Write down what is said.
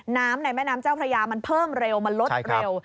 ในแม่น้ำเจ้าพระยามันเพิ่มเร็วมันลดเร็ว